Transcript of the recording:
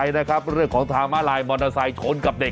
นะครับเรื่องของทางมาลายมอเตอร์ไซค์ชนกับเด็ก